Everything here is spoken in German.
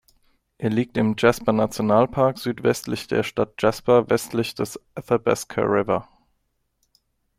Er liegt im Jasper-Nationalpark südwestlich der Stadt Jasper, westlich des Athabasca River.